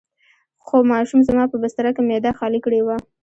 خو ماشوم زما په بستره کې معده خالي کړې وه.